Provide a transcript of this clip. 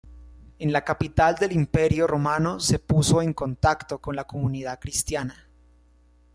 En la capital del Imperio romano se puso en contacto con la comunidad cristiana.